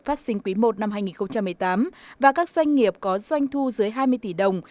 phát sinh quý i năm hai nghìn một mươi tám và các doanh nghiệp có doanh thu dưới hai mươi tỷ đồng